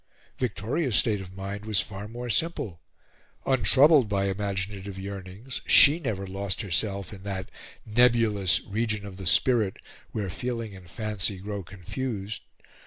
Victoria's state of mind was far more simple; untroubled by imaginative yearnings, she never lost herself in that nebulous region of the spirit where feeling and fancy grow confused.